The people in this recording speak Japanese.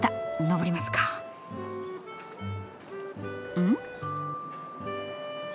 うん？